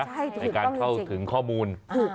ในการเข้าถึงข้อมูล